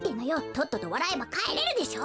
とっととわらえばかえれるでしょ！